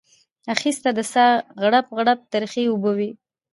اخیسته د ساه غړپ غړپ ترخې اوبه وې